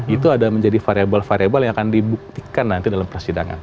itu ada menjadi variable variable yang akan dibuktikan nanti dalam persidangan